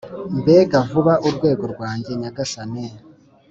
mbega vuba urwego rwanjye, nyagasani,